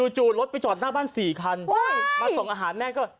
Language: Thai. รถไปจอดหน้าบ้าน๔คันมาส่งอาหารแม่ก็